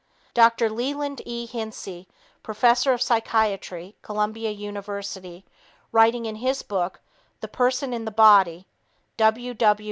Dr. Leland E. Hinsie, professor of psychiatry, Columbia University, writing in his book, The Person in the Body, (W. W.